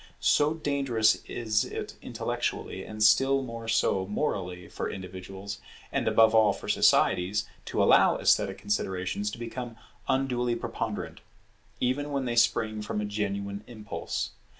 So dangerous is it intellectually, and still more so morally, for individuals, and above all, for societies to allow esthetic considerations to become unduly preponderant; even when they spring from a genuine impulse.